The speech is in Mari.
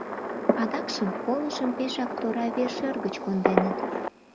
Адакшым полышым пешак тора вер-шӧр гыч конденыт.